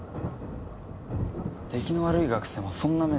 出来の悪い学生もそんな目で見るの？